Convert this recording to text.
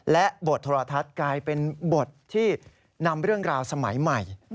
และบทโทรทัศน์กลายเป็นบทที่นำเรื่องราวสมัยใหม่